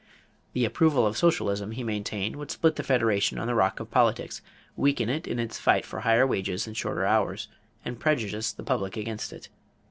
The approval of socialism, he maintained, would split the Federation on the rock of politics, weaken it in its fight for higher wages and shorter hours, and prejudice the public against it.